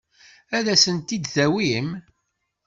Ad asen-tent-id-tawim?